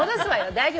大丈夫。